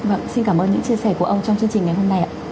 vâng xin cảm ơn những chia sẻ của ông trong chương trình ngày hôm nay ạ